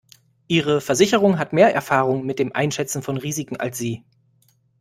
Ihre Versicherung hat mehr Erfahrung mit dem Einschätzen von Risiken als Sie.